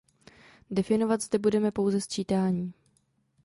Definovat zde budeme pouze sčítání.